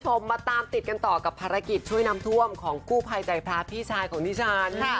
มาตามติดกันต่อกับภารกิจช่วยน้ำท่วมของกู้ภัยใจพระพี่ชายของดิฉัน